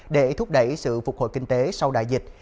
để thúc đẩy sự phục hồi kinh tế sau đại dịch